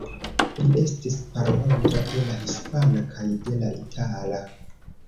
Li estis parolanto de la hispana kaj de la itala.